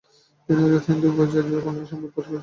তিনি আজাদ হিন্দ ফৌজের হয়ে বাংলায় সংবাদ পাঠ করেছিলেন।